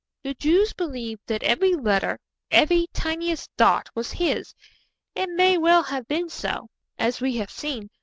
The Jews believed that every letter, every tiniest dot was his. It may well have been so, as we have seen.